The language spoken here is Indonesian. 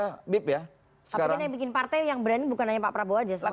tapi ini yang bikin partai yang berani bukan hanya pak prabowo aja semuanya